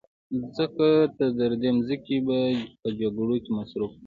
ځکه تر دې مخکې به په جګړو کې مصروف و